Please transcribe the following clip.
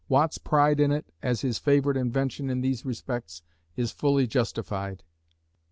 Watt's pride in it as his favorite invention in these respects is fully justified.